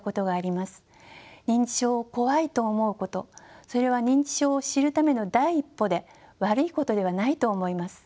認知症を怖いと思うことそれは認知症を知るための第一歩で悪いことではないと思います。